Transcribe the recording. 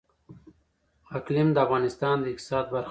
اقلیم د افغانستان د اقتصاد برخه ده.